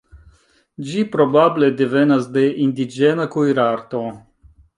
Ĝi probable devenas de indiĝena kuirarto.